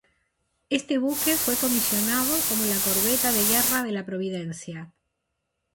Este buque fue comisionado como la corbeta de guerra de la Providencia.